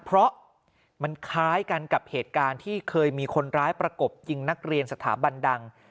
เพราะมันคล้ายกันกับเหตุการณ์ที่เคยมีคนร้ายประกบยิงนักเรียนสถาบันดัง